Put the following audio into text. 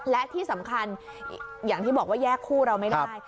และที่สำคัญอย่างที่บอกว่าแยกคู่เราไม่ได้